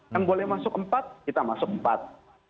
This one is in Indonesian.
yang boleh masuk empat kita masuk empat